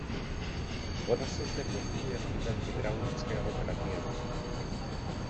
Voda se zde pohybuje vlivem hydraulického gradientu.